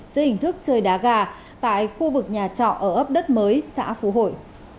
dưới hình thức chơi đá gà tại khu vực nhà trọ ở ấp đất mới xã phú hội